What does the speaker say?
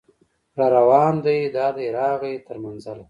راروان دی دا دی راغی تر منزله